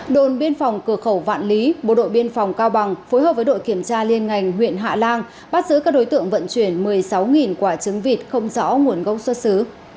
đồn biên phòng cửa khẩu vạn lý bộ đội biên phòng cao bằng phối hợp với đội kiểm tra liên ngành huyện hạ lan bắt giữ các đối tượng vận chuyển một mươi sáu quả trứng vịt không rõ nguồn gốc xuất xứ